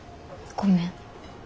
ごめん。